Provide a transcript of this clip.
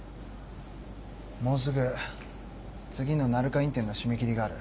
もうすぐ次の鳴華院展の締め切りがある。